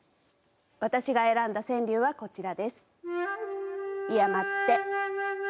私が選んだ川柳はこちらです。